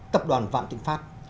tập đoàn vạn tình pháp